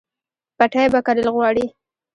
پټی به کرل غواړي